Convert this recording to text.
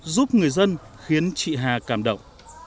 giúp người dân khiến chị hà cảm động